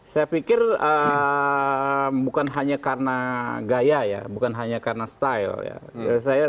saya pikir bukan hanya karena gaya ya bukan hanya karena style ya